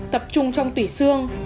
tập trung trong tủy xương